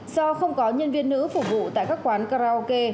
do không có nhân viên nữ phục vụ tại các quán karaoke